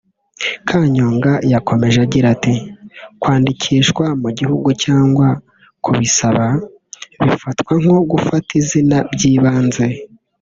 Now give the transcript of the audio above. Kanyonga yakomeje agira ati “Kwandikishwa mu gihugu cyangwa kubisaba bifatwa nko gufata izina by’ ibanze